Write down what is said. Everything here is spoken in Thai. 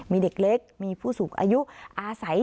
มีเด็กเล็กมีผู้สูงอายุอาศัย